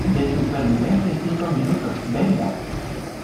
de supervivencia en cinco minutos. venga .